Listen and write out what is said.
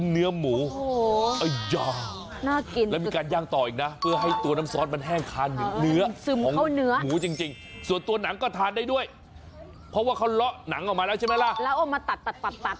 แล้วอ้อมมาตัดตัดตัดตัด